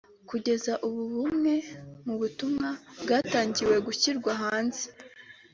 Kugeza ubu bumwe mu butumwa bwatangiye gushyirwa hanze